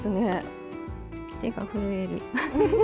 手が震える。